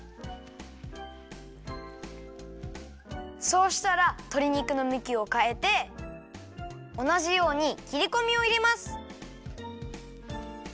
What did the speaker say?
そうしたらとり肉のむきをかえておなじようにきりこみをいれます。